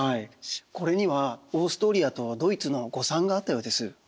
これにはオーストリアとドイツの誤算があったようです。